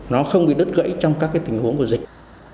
nó không bị đứt gãy trong các tình huống của dịch